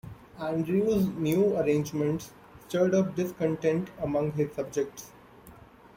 Andrew's "new arrangements" stirred up discontent among his subjects.